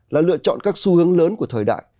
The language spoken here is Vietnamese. là lựa chọn các xu hướng lớn của thời đại